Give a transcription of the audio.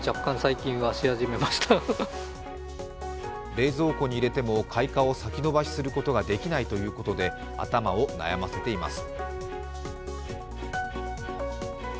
冷蔵庫に入れても開花を先延ばしすることができないということで頭を悩ませています。